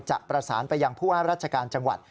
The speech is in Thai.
จะประสานไปยังพวกรัชการจังหวัด